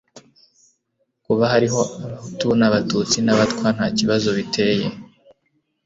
kuba hariho abahutu, abatutsi n'abatwa nta kibazo biteye